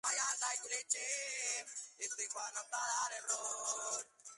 Las hojas son simples y casi siempre opuestas o verticiladas, están presentes diminutas estípulas.